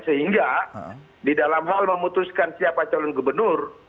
sehingga di dalam hal memutuskan siapa calon gubernur